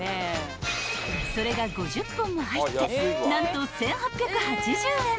［それが５０本も入って何と１，８８０円］